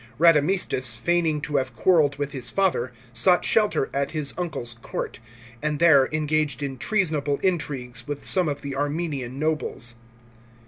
Radamistus, feigning to have quarrelled with his father, sought shelter at his uncle's court, and there engaged in treasonable intrigues with some of the Armenian nobles.